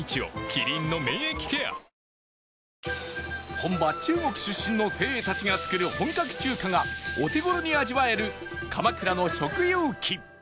本場中国出身の精鋭たちが作る本格中華がお手頃に味わえる鎌倉の食遊記